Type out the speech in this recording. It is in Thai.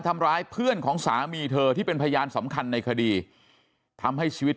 ทำร้ายเพื่อนของสามีเธอที่เป็นพยานสำคัญในคดีทำให้ชีวิต